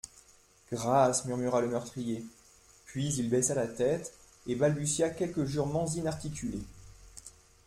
Grâce, murmura le meurtrier ; puis il baissa la tête et balbutia quelques jurements inarticulés.